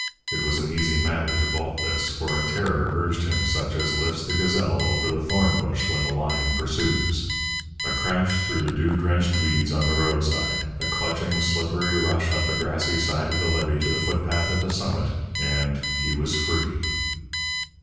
It was an easy matter to vault this, for a terror urged him such as lifts the gazelle over the thorn bush when the lion pursues. A crash through the dew drenched weeds on the roadside, a clutching, slippery rush up the grassy side of the levee to the footpath at the summit, and he was free!